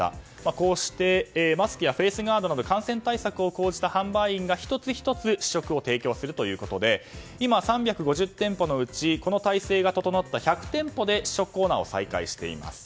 こうして、マスクやフェースガードなどの感染対策を講じた販売員が１つ１つ試食を提供するということで今、３５０店舗のうちこの体制が整った１００店舗で試食コーナーを再開しています。